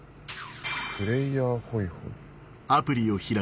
プレーヤーホイホイ？